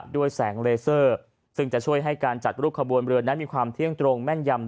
ด้วยแสงเลเซอร์ซึ่งจะช่วยให้การจัดรูปขบวนเรือนั้นมีความเที่ยงตรงแม่นยำ